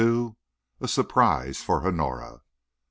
A SURPRISE FOR HONORA.